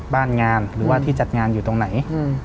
บ้านงานหรือว่าที่จัดงานอยู่ตรงไหน